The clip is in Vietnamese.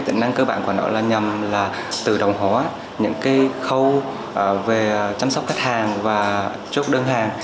tỉnh năng cơ bản của nó nhằm là tự động hóa những khâu về chăm sóc khách hàng và chốt đơn hàng